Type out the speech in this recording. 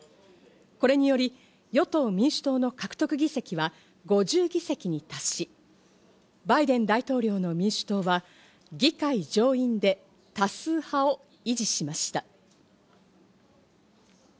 これにより、与党・民主党の獲得議席は５０議席に達し、バイデン大統領の民主党が議会上院で多数派を維持しました。